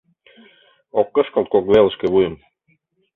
Ок кышкылт кок велышке вуйым